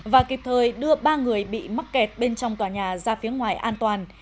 và kịp thời đưa ba người bị mắc kẹt bên trong tòa nhà ra phía ngoài an toàn